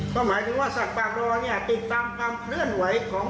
ก็หมายถึงว่าสัตว์ป่าบรอเนี่ยติดตามความเคลื่อนไหวของ